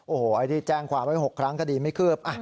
โอ้โฮที่แจ้งความว่า๖ครั้งคดีไม่คืบ